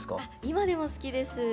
今でも好きです。